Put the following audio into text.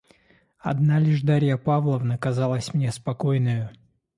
Одна лишь Дарья Павловна казалась мне спокойною.